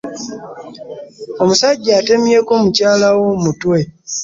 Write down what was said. Omusajjja atemyeko mukyala we omutwe.